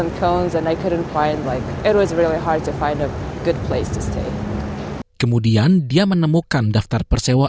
untuk memastikan mereka melakukan resiko yang mungkin untuk pengguna dan publik yang tersisa